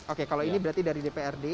oke kalau ini berarti dari dprd